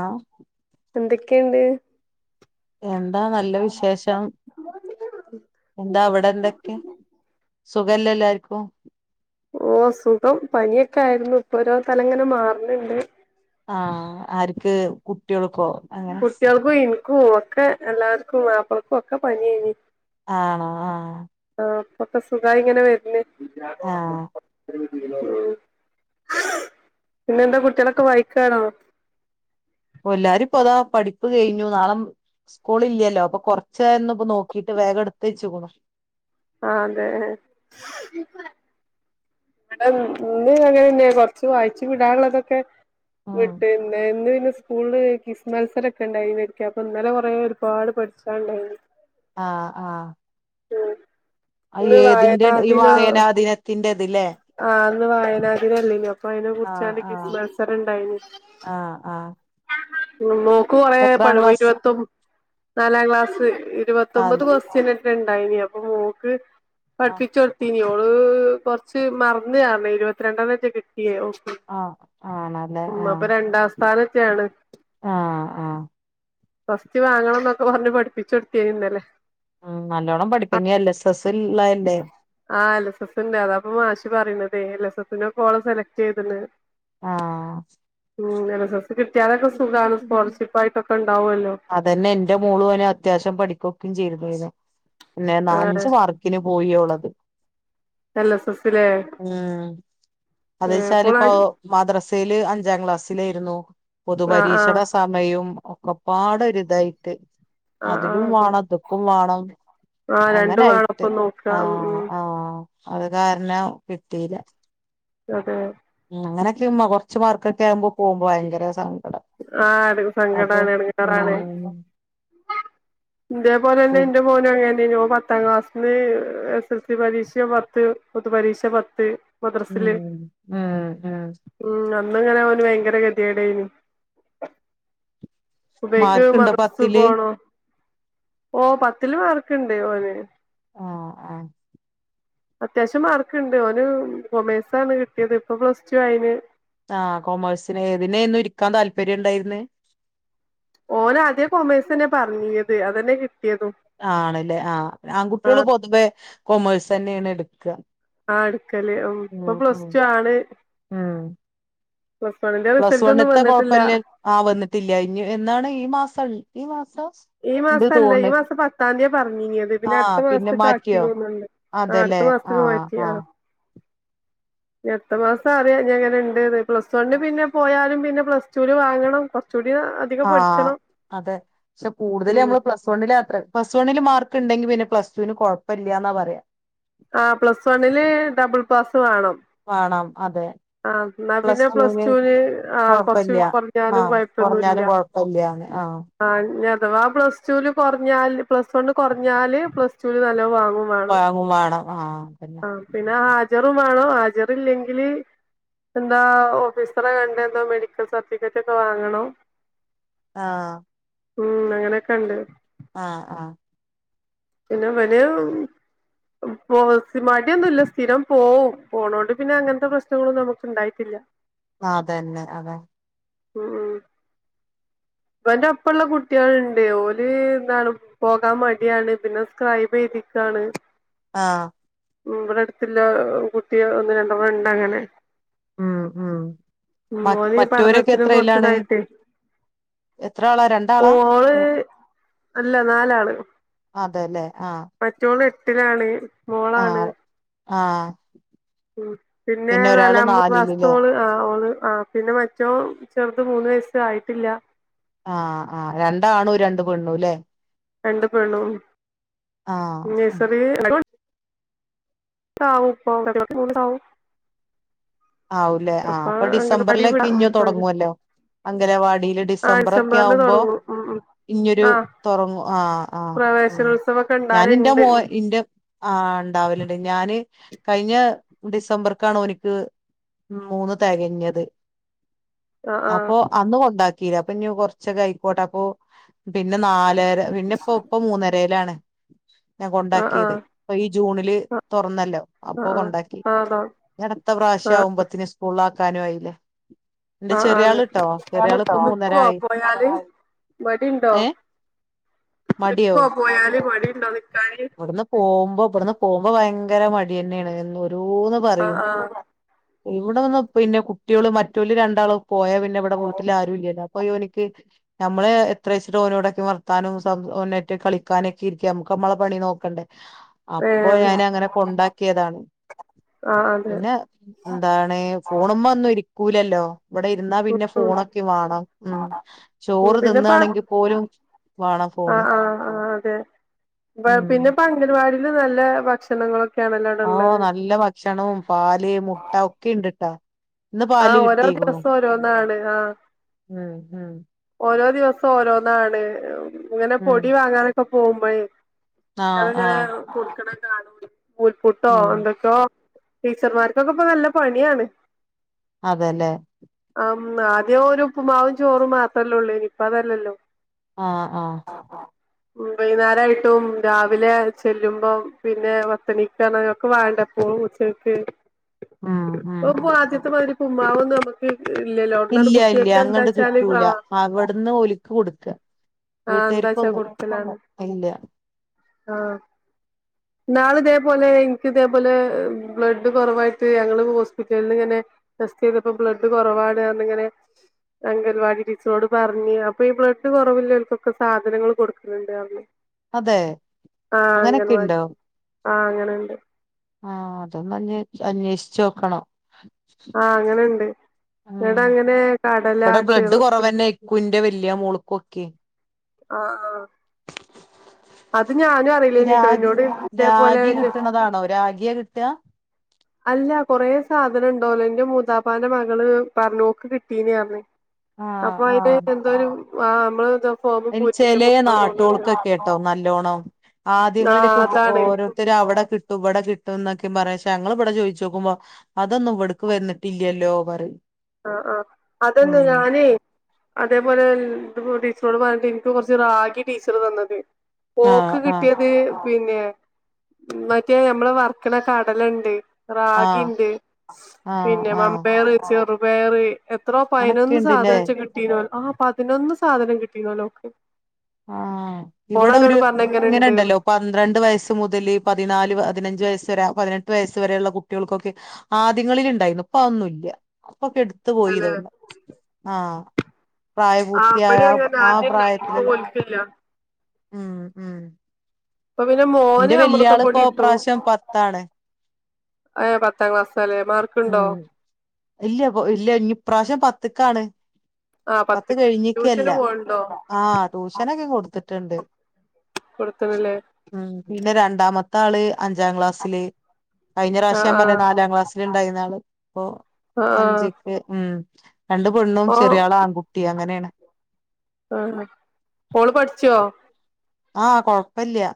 ആഹ് എന്തൊക്കെയുണ്ട് എന്താ നല്ല വിശേഷം എന്താ അവിടെ എന്തൊക്കെ സുഖല്ലേ എല്ലാർക്കും ഓ സുഖം പനിയൊക്കെ ആയിരുന്നു ഇപ്പൊ ഓരോ തലങ്ങനെ മാറുന്നുണ്ട് ആഹ് ആർക്ക് കുട്ടികൾക്കോ അങ്ങനെ കുട്ടികൾക്കും എനിക്കും [unintelligible] എല്ലാവർക്കും മാപ്പിളക്കും ഒക്കെ പനിയാരുന്ന് ആണോ ആഹ് ആഹ് ഇപ്പൊക്കെ സുഖായിങ്ങനെ വരുന്ന് ആഹ് ഉം ഇന്നെന്താ കുട്ടികളൊക്കെ വഴക്കാണോ ഓ എല്ലാരും ഇപ്പോ അതാ പഠിപ്പ് കഴിഞ്ഞു നാളെ സ്കൂൾ ഇല്ലല്ലോ അപ്പൊ കൊറച്ച് നേരം ഇന്ന് ഇപ്പം നോക്കീട്ട് വേഗം എടുത്ത് വെച്ചേക്കുണു ആന്ന് അന്നരം ഇന്ന് അങ്ങനെ തന്നെ കൊറച്ച് വായിച്ചു വിടാനുള്ളതൊക്കെ വിട്ട ഉം പിന്നെ ഇന്ന് പിന്നെ സ്കൂള് മത്സരമൊക്കെ [unintelligible] അപ്പൊ ഇന്നലെ [unintelligible] ഒരുപാട് പഠിക്കാനുണ്ടായിരുന്നു ആഹ് ആഹ് ഉം ഇന്ന് ഏതിന്റെ വായനാ ഈ ദിനം വായനാദിനത്തിന്റെത്‌ ല്ലെ. ആഹ് അന്ന് വായനാദിനം അല്ലേന്നൊ അപ്പൊ അതിനെ ആഹ് കുറിച്ചാണ്ട് ആഹ് ക്വിസ് മത്സരം ഇണ്ടായിന്. ആഹ് ആഹ്. എത്രാം ക്ലാസ് [unintelligible] നാലാം ക്ലാസ് ആഹ് ഇരുപത്തൊമ്പത് ക്വസ്റ്റ്യൻ ഉണ്ടായിനി അപ്പൊ മോൾക്ക് ആഹ് പഠിപ്പിച്ച് കൊടുത്തീനി [unintelligible] കുറച്ച് മറന്ന് കാണും ഇരുപത്തിരണ്ടാമ [unintelligible] കിട്ടിയെ ആഹ് ആണല്ലേ ഉം ആഹ് അപ്പൊ രണ്ടാം സ്ഥാനക്കെ ആണ്. ആഹ് ആഹ് ഫസ്റ്റ് വാങ്ങണം എന്നൊക്കെ പറഞ്ഞ് പഠിപ്പിച്ചു [unintelligible] ഇന്നലെ. ഉം നല്ലോണം പഠിപ്പിന് ഇനി എൽ. എസ്. എസ് ഉളളതല്ലെ. ആഹ് എൽ എസ് എസ് ഉണ്ട് അതാ ഇപ്പോ മാഷ് പറയുന്നതെ എൽ എസ് എസ് ന് ഓളെ സെലക്ട് ചെയ്തന്ന്. ആഹ്. ഉം എൽ എസ് എസ് കിട്ടിയലൊക്കെ സുഖാണ് സ്കോളർഷിപ്പായിട്ടൊക്കെ ഉണ്ടാവുല്ലോ. അതന്നെ എന്റെ മോളു അത്യാവശ്യം പഠിക്കുക്കെയും [unintelligible] ആഹ് അഞ്ച് മാർക്ക് [unintelligible] പോയി ഓളത് എൽ എസ് എസിലെ ആഹ് അത് വച്ചാല് ഇപ്പോൾ ഇപ്പോ മദ്രസയില് അഞ്ചാം ക്ലാസ്സിലായിരുന്നു ആഹ് പൊതുപരീക്ഷണ ആഹ് മ്മയും ഒക്കെ പാടൊരു ഇതായിട്ട് ആഹ് അതിലും ആഹ് അതെ വേണം ഇത്ക്കും വേണം ആഹ് രണ്ടും അങ്ങനെയിട്ട് വേണപ്പം നോക്ക ഉം ആഹ് ഉം ആഹ് അത് കാരണം കിട്ടീല്ല അതെ ഉം അങ്ങനെക്കെ കൊറച്ച് മാർക്കൊക്കെ ആകുമ്പോ പോകുമ്പോ ഭയങ്കര സങ്കട ആഹ് എനക്ക് സങ്കടാണ് എടങ്ങറാണ് ഉം ഇതേപോലെന്നെ ഉം എന്റ മോന് അങ്ങനെന്ന് പത്താം ക്ലാസ്സിന് എസ് എസ് എൽ സി പരീക്ഷ പത്ത് പൊതുപരീക്ഷ പത്ത് മദ്രസില് ഉം ഉം ഉം അന്നങ്ങനെ അവന് ഭയങ്കര ഗതികേടായിന് സുബേക്ക് മാർക്കുണ്ടോ മദ്ദ്രസ്സ് പത്തില് പോണം ഓ പത്തില് മാർക്ക്ണ്ട് ഓന് ആഹ് ആഹ് അത്യാവശ്യം മാർക്ക്ണ്ട് ഓന് കൊമേഴ്സാണ് കിട്ടിയത് ഇപ്പൊ പ്ലസ് ടു ആയിന് ആ കൊമേഴ്സിന് ഏതിനെന്നു ഇരിക്കാൻ താല്പര്യം ണ്ടായിര്ന്ന് ഓന് ആദ്യേ കൊമേഴ്സ് ന്നെ പറഞ്ഞിയത് അതന്നെ കിട്ടിയതും ആണല്ലേ ആഹ് ആ ആൺകുട്ടികൾ പൊതുവെ കൊമേഴ്സ് അന്നെയാണ് എടുക്ക ആഹ് എടുക്കല് ഉം ഇപ്പൊ പ്ലസ് ഉം ടു ആണ് ആഹ് പ്ലസ് വണ്ണിന്റെ പ്ലസ് റിസൾട്ട് ഒന്നും വണ്ത്തെ വന്നിട്ടില്ല കൊഴപ്പില്ലേ ആഹ് വന്നിട്ടില്ല ഇ എന്നാണ് ഈ മാസം ഈ മാസ ഈ മാസം അല്ല ഈ മാസം പത്താം തിയ പറഞ്ഞിന്നത് അത് പിന്നെ ആഹ് അടുത്ത പിന്നെ മാസത്ത്ക്ക് മാറ്റിയോ ആക്കിന്ന് തോന്ന്ണ്ട് ആഹ് അടുത്ത മാസത്ത്ക്ക് മാറ്റി ആഹ് അടുത്ത മാസം അറിയാ ഇഞ്ഞ് എങ്ങനെ ഇണ്ട്ന്ന് പ്ലസ് വണിന്പിന്നെ പോയാലും പിന്നെ പ്ലസ് ടുല് വാങ്ങണം കൊറച്ചൂടി വാങ്ങണം കൊറച്ചൂടി അ ആഹ് അതെ പക്ഷെ കൂടുതല് ഉം നമ്മള് പ്ലസ് സ് വണ്ണിലാത്രേ പ്ലസ് വണില് മാർക്ക് ഇണ്ടെങ്കി പിന്നെ പ്ലസ് ടുവിന് കൊഴപ്പല്ല്യാന്നാ പറയാ ആ പ്ലസ് വണ്ണില് ഡബിൾ പാസ് വേണം വേണം അതെ ആ എന്നാ പ്ലസ് പിന്നെ ടുന് ടുവിന് ആ കൊറച്ച് കൊഴപ്പില്ല കുറഞ്ഞാലും ആഹ് കുറഞ്ഞാലും കൊഴ പ്പല്ല്യ ആഹ് ആ ഞ് അഥവാ പ്ലസ് ടുല് കുറഞ്ഞാല് പ്ലസ് വണ് കുറഞ്ഞാല് പ്ലസ് ടൂല് നല്ലോം വാങ്ങും വാണം വാങ്ങും വേണം ആഹ് അതന്നെ ആഹ് പിന്നെ ഹാജറും വേണം ഹാജറ് ഇല്ലെങ്കില് എന്താ ഓഫീസറെ കണ്ട് എന്താ മെഡിക്കൽ സർട്ടിഫിക്കറ്റ് ഒക്കെ വാങ്ങണം ആഹ് ഉം അങ്ങനൊക്കെ ഇണ്ട് ആഹ് ആഹ് പിന്ന മനേം പോ സി മാടിയൊന്നുല്ല സ്ഥിരം പോവും പോണോണ്ട് പിന്നെ അങ്ങനത്തെ പ്രശ്നങ്ങളും നമുക്ക് ഇണ്ടായിട്ടില്ല [inaudible] ആ അതന്നെ അതെ ഉം ഇവന്റെ ഒപ്പള്ള കുട്ടികളുണ്ട് ഓല് എന്താണ് പോകാൻ മടിയാണ് പിന്നെ സ്ക്രൈബ് എഴുതിക്കാണ് ആഹ് ഇവിടെ അടുത്തില്ല കുട്ട്യ ഒന്ന് രണ്ടണ്ണണ്ട് അങ്ങനെ. ഉം ഉം മ മോന് ഈ മറ്റോരൊക്കെ പഠനത്തിന് എത്രയിലാണ് കൊറച്ച്തായിട്ടെ. എത്ര ആളാ രണ്ടാളാ ഓള് മു അല്ല നാലാണ്. അതെലെ ആ മറ്റോള് എട്ടിലാണ്. മോളാണ്. ആഹ് ആഹ് ഉം. പിന്നെ ഒരാള് നല്ല നാലില്ല്ലേ വാസ്തോള്. ആ ഓള്. ആ പിന്നെ മറ്റോ ചെറുത് മൂന്ന് വയസ് ആയിട്ടില്ല. ആഹ് ആ. രണ്ടാണും, രണ്ട് പെണ്ണുല്ലെ. രണ്ട് പെണും ആഹ് നഴ്സറി താവുംപ്പൊ [unintelligible] പ്പൊക്കെ പോ [unintelligible] ണ്ടാവും ആവുലേ. ആഹ്. അപ്പൊ അംഗൻവാടി ഡിസംബറിലൊക്കെ വിടാം ഇഞ്ഞ് ഉം തൊടങ്ങ്വല്ലോ. അംഗനവാടിയില് ആ ഡിസംബറ് ഒക്കെ ഡിസംബറില് ആവുമ്പോ. തൊടങ്ങും ഉം ഉം ഇഞ്ഞൊരു ആ തൊറങ്ങും. ആഹ്. ആഹ് ഉം പ്രവേശനോത്സവൊക്കെ ഞാാനിന്റെ ഇണ്ടാവല്ണ്ട് മോ ഇന്റെ ആ ഉണ്ടാവലണ്ട്. ഞാന് കഴിഞ്ഞ ഡിസംബർക്കാണോനിക്ക്. മൂന്ന് തെകഞ്ഞത്. ആ ആ അപ്പൊ അന്നു കൊണ്ടാക്കിയില്ല. അപ്പൊ കൊറ്ച്ചൊക്കെ ആയിക്കോട്ടെ അപ്പൊ പിന്നെ നാലര പിന്നെ ഇപ്പോ ഇപ്പൊ മൂന്നരേലാണ് ഞാൻ ആ ആ കൊണ്ടാക്കിയത്. അപ്പൊ ഈ ജൂണില് തൊറന്നല്ലോ. അപ്പൊ ആ കൊണ്ടാക്കി ആ ആ ഇഞ്ഞ് അടുത്ത പ്രാവശ്യം ആ പിന്നെ സ്കൂളില് ആക്കാനും ആയില്ലെ. ആഹ് ആ ആള് ഇപ്പൊ മൂന്നര നിക്കൊ ആയി പോയാല് മടി ഇണ്ടോ. മട്യാെ. പോയാല് മടി ഇണ്ടോ നിക്കാന്. ഇവട്ന്ന് പോകുമ്പോ ഇവിടന്ന് പോകുമ്പ ഭയങ്കര മട്യന്നേണ്. ഓരോന്ന് ആഹ് പറയും. ആഹ് ഇവിടെ വന്ന് പിന്നെ കുട്ട്യേള് മറ്റോല് രണ്ടാളും. പോയാ പിന്നെ ഇവിടെ വീട്ടില് ആരു ഇല്യല്ലോ. അപ്പ യോനിക്ക്. നമ്മള് എത്രേച്ചിട്ട ഓനോടൊക്കെ വർത്താനും നേറ്റ് കളിക്കാനൊക്കെ ഇരിക്ക. നമുക്ക് നമ്മളെ. പണി നോക്കണ്ടെ. അപ്പൊ ഏഹ് ഞാൻ അങ്ങനെ കൊണ്ടാക്കിയതാണ്. ആഹ് അതെ പിന്നെ എന്താണ് ഫോണ് മ്മെ ഒന്നും ഇരിക്കൂലല്ലോ. ഇവിടെ ഇരുന്നാ പിന്നെ ഉം ഫോണൊക്കെ വാണം. ഉം. ഉം ചോറ് പിന്നെപ്പ തിന്നാണെങ്കിൽ പോലും വേണം ഫോണ്. ഉം പിന്നെ പംഗൻവാടീലും നല്ല ഭക്ഷണങ്ങളൊക്കെ ഓ നല്ല ഭക്ഷണവും, പാല്, മുട്ട, ഒക്കെ ഇണ്ടിട്ട. ആഹ് ഓരോ ദിവസം ഓരോന്നാണ്. ആ. ഉം ഉം ഓരോ ദിവസം ഓരോന്നാണ്. ഇങ്ങനെ ഉം പൊടി വാങ്ങാനൊക്കെ പോകുമ്പഴെ. ട്ട ആഹ് ഇങ്ങനെ ആഹ് കൊടുക്ക്ണ കാണ [unintelligible] പൂൽപുട്ടോ ഉം എന്തൊക്കോ. ടീച്ചർമാർക്കൊക്കെ ഇപ്പ നല്ല പണിയാണ്. അതെല്ലെ. ആ. ആദ്യം ഒരു ഉപ്പ്മാവും ചോറും മാത്രല്ലൊള്ളേനി. ഇപ്പ അതല്ലല്ലോ. ആ ആഹ് ആ ആ വൈന്നാരായിട്ടും രാവിലെ ചെല്ലുമ്പം പിന്നെ വത്തണികാറ്ഞ്ഞ് ഒക്കെ വാണ്ടെ. പോവുച്ചക്ക് ഉം ഉം പോപ്പോ ആദ്യത്തെമാതിരി പ്പുമ്മാവൊന്നു ന്നമ്മ ട്ഇല്ലല്ലോ അവ്ന്നട് കുട്ട്യേക്ക് എന്താച്ചാല് ആഹ്. അവട്ന്ന് ഓല്ക്ക് കൊടുക്ക. ആഹ് എന്താച്ചാ വീട്ടുകാർക്കൊന്നും കൊടുക്കലാണ്. ഇല്ല ആഹ് ന്നാള് ഇതേപോലെ ഇൻക്ക്തേപോലെ ബ്ലഡ് കൊറവായിട്ട് ഞങ്ങള് ഹോസ്പിറ്റൽന്ന്ങ്ങനെ ടെസ്റ്റ് ചെയ്തപ്പോ ബ്ലഡ് കൊറവാണ് പറഞ്ഞിങ്ങനെ അംഗൽവാടി ടീച്ചറോട് പറഞ്ഞ് അപ്പോ ഈ ബ്ലഡ് കൊറവി കൊക്കെ സാധനങ്ങള് കൊടുക്ക്ണ് ണ്ട് പറഞ്ഞു. അതെ ആഹ് അങ്ങനൊക്കെ അങ്കൻവാ ഉണ്ടോ ആഹ് അങ്ങനെണ്ട്. ആഹ് അതൊന്ന് അന്വേഷിച്ചോക്കണം. ആഹ് അങ്ങനെണ്ട് ഉം ഇവടങ്ങനെ കടല ചെറു [unintelligible] ന്റെ വെല്ല്യ മോള്ക്കൊക്കെ ആഹ് ആഹ് അത് ഞാനു അറിയില്ലയ്നുട്ടോ ഇന്നോട് ഇതേപോലെ ഇന്റെ രാഗിയ കിട്ടാ? അല്ല കൊറേ സാധനോണ്ടോന്ന് ഇന്റെ മൂത്താപ്പാന്റെ മകള് പറഞ്ഞു ഓക്ക് കിട്ടീനറ്ഞ്ഞ് ആഹ് അപ്പോ അയിന് ആഹ് എന്തോരു ആ [unintelligible] അയ്ന് ചെലേ നാട്ടോൾക്കെക്കെട്ടോ നല്ലോണം. ആഹ് ആദ്യങ്ങളിലൊക്കെ ബ് അതാണ് ഓരോരുത്തരവ്ടെ കി ട്ടും ഇവടെ കിട്ടുന്നൊക്കെ പറിം ശേ ഞങ്ങള്ബ്ടെ ചോയിച്ചോക്കുമ്പോ അതൊന്നു ഇവ്ട്ക്ക് വന്നിട്ടില്ലല്ലോ പറയും ആഹ് ആഹ് അതന്ന് ഉം ഞാനേ അതേപോലെ ഇത്പ്പോ ടീച്ചറോട് പറ്ഞ്ഞിട്ട് ഇൻക്ക് കൊറ്ച്ച് റാഗി ടീച്ചർ തന്നത്. ഓക്ക് ആഹ് ആഹ് കിട്ടിയത് പിന്നെ മറ്റേ ഞമ്മള് വർക്ക്ണ കടലണ്ട്. ആഹ് റാഗിണ്ട് ആഹ് പിന്നെ ആഹ് മമ്പയർ, ചെറുപയറ് എത്രോ പയിനൊന്ന് അനൊക്കെണ്ട്ല്ലേ സാധനറ്റെ കിട്ടീനോൽ ആ പതിനൊന്ന് സാധനം കിട്ടീനോല്ലോക്ക്. ആഹ് ഇവടൊരു ഇങ്ങനെ ഇണ്ട്ന്ന് ഇങ്ങനെണ്ടല്ലോ പന്ത്രണ്ട് വയസ്സ് മുതൽ പതിനാല് പതിനഞ്ച് വയസ് വരെ പതിനെട്ട് വയസ്സ് വരെയുള്ള കുട്ടികൾക്കൊക്കെ ആദ്യങ്ങളില്ണ്ടായിന്നു ഇപ്പൊ അതൊന്നുവില്ല [unintelligible] ത്ത് പോയീ അല്ലെ തോന്നേ ആഹ് പ്രായപൂർത്തിയായ ആ പ്രായത്തിലല്ല ഇല്ല ഉം ഉം ഇപ്പ പിന്നെ മോന് എന്റെ വല്യ ആള് ഇപ്പോ അമൃതപ്പൊടി ഇട്ടു ഇപ്രാവശ്യം പത്താണ് ആഹ് ഏഹ് പത്താ ക്ലാസ്സാലേ മാർക്ക്ണ്ടോ? ഉം ഇല്ല ബ് ഇല്ല ഇഞ്ഞ്പ്രാശ്യം പത്ത്ക്കാണ്. ആ പത്ത് പത്ത്ക്ക് കെഴിഞ്ഞിക്കല്ല ട്യൂഷന് പോവ്ണ്ടോ ആഹ് ട്യൂഷനൊക്കെ കൊടുത്തിട്ട്ണ്ട്. കൊടുത്ത്ണ്ല്ലേ? ഉം പിന്നെ രണ്ടാമത്താള് അഞ്ചാ ക്ലാസ്സില്. ആ കഴിഞ്ഞപ്രശം ആ പറ്ഞ്ഞിലെ നാലാ ക്ലാസ്സില്ണ്ടയിനാള് ഇപ്പോ ആ ആ അഞ്ച് ല് ഉം ഉം രണ്ട് പെണ്ണും ഓ ചെറിയാളാൺകുട്ടി അങ്ങനേണ്. ആണോ മോള് പഠിച്ചുവോ? ആഹ് കൊഴപ്പല്ല.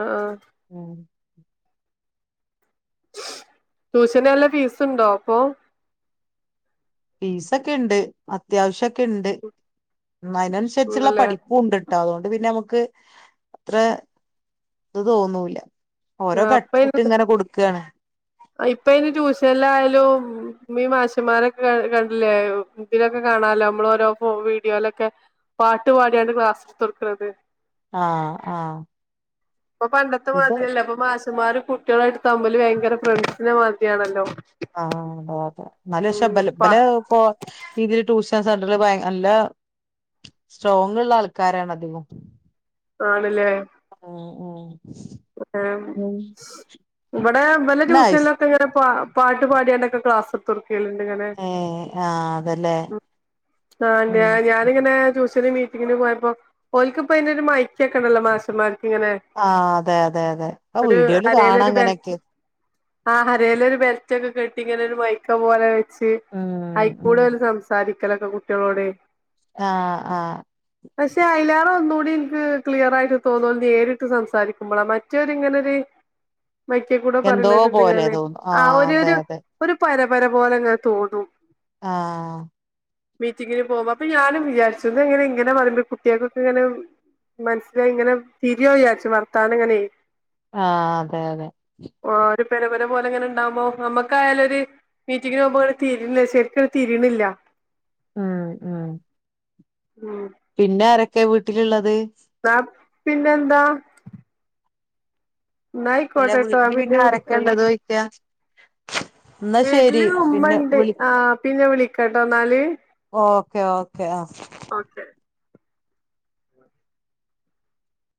ആഹ് ആഹ് ഉം ട്യൂഷന് നല്ല ഫീസുണ്ടോ അപ്പോ? ഫീസൊക്ക്ണ്ട് അത്യാവശ്യക്ക്ണ്ട്. ഉം അയിനനുസരിച്ചുള്ള ഉണ്ടല്ലേ പഠിപ്പൂവ്ണ്ട് ട്ടാ അതോണ്ട് പിന്നെ നമുക്ക് അത്ര ഇത് തോന്നൂല്ലാ ആഹ് [unintelligible] ഇപ്പ അയ്ന് ന് ട്യൂഷൻല്ലായയാലും ഈ മാഷന്മാരൊക്കെ കണ്ടില്ലേ ഇതിലൊക്കെ കാണാല്ലോ നമ്മൾ ഓരോ വീഡിയോയിലൊക്കെ പാട്ട് പാടിയാണ് ക്ലാസ്ടുത്തടുക്കുന്നത് ആഹ് ആഹ് ഇപ്പൊ പണ്ടത്തെ ഇത് മിതിരിയല്ലപ്പൊ മാഷൻമാരും കുട്ടികളായിട്ട് തമ്മില് ഭയങ്കര ഫ്രണ്ട്സിനെ മാതിരിയാണല്ലോ ആഹ് അത അതെ എന്നാലും ഉം പക്ഷെ ബലെ പ ബലെ ഇപ്പൊ ഇതിൽ ട്യൂഷൻ സെന്റർ നല്ല സ്ട്രോങ് ഉള്ള ആൾക്കാരാണ് അധികം ആണല്ലേ ഉം ഉം ഉം. ഇവിടെ ഇവലെ നൈസ് ട്യൂഷൻല് ഒക്കെങ്ങനെ പാ പാട്ട് പാടിയാണ്ടൊക്കെ ക്ലാസ് എടുത്തൊട്ക്കല്ണ്ട്ങ്ങനെ ഏഹ് ആഹ് അതല്ലേ ആഹ് ഞാനിങ്ങനെ ട്യൂഷന് മീ റ്റിംഗിന് പോയപ്പോ ഓൽക്ക് ഇപ്പോ അയ്ന് ഒരു മൈക്കൊക്കെ ഉണ്ടല്ലോ മാഷന്മാർക്ക് ഇങ്ങനെ ആഹ് അതെ അതെ അതെ അത് ഒരു വീഡിയോല് കാണാം അങ്ങനെയൊക്കെ ആഹ് അരേല് ഒരു ബെൽറ്റൊക്കെ കെട്ടി ഇങ്ങനെ ഒരു മൈക്ക പോലെ വെച്ച് ഉം അയിക്കൂടെ ഉം ഓല് സംസാരിക്കലൊക്കെ കുട്ടികളോടെ ആഹ് ആഹ് പക്ഷെ അയ്ലാറ ഒന്നുകൂടി എനിക്ക് ക്ലിയർ ആയിട്ട് തോന്നൽ നേരിട്ട് സംസാരിക്കുമ്പോളാ മറ്റതൊരു ഇങ്ങനൊരു മൈക്കേ കൂടെ എന്തോ പറയുന്ന പോലെ ഇത്ങ്ങനെ തോന്നും ആഹ് ഒരു അതെ ഒരു അതെ ഒരു പരപര പോലെങ്ങനെ തോന്നും ആഹ് മീറ്റിങ്ങിന് പോകുമ്പോ അപ്പൊഞാനും വിചാരിച്ചും ഇതെങ്ങനെ ഇങ്ങനെ പറയുമ്പോ കുട്ടികൾക്കൊക്കെ ഇങ്ങനെ മനസ്സിലായിങ്ങനെ തിരിയോ വിചാരിച്ചു വർത്താനങ്ങനെ ആഹ് അതെ അതെ ആഹ് ഒരു പെര പര പോലെ ഇങ്ങനെ ഉണ്ടാവകുമ്പോ നമുക്കായാലൊരു മീറ്റിംഗിന് പോകുമ്പോങ്ങനെ തിരിണില്ല ശരിക്കും തിരീണില്ല ആഹ് ആഹ് ഉം പിന്നെ ആരൊക്കെ വീട്ടിലുള്ളത് എന്നാ പിന്നെ എന്താ അല്ല ന്നായിക്കോട്ടെട്ടോ ഞാൻ വീട്ടില് പിന്നെ ആരൊക്കെ വിളിക്കണ്ട് ഉള്ളത് ചോയിക്കാ എന്നാ ശരി വീട്ടില് പിന്നെ ഉുമ്മണ്ട് വിളി ആ പിന്നെ വിളിക്കാട്ടോ എന്നാല് ഓക്കേ ഓക്കേ ആഹ് ഓക്കെ